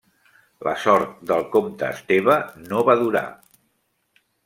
La sort del comte Esteve no va durar.